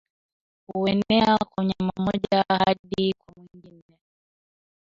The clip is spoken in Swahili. huenea kwa mnyama mmoja hadi kwa mwingine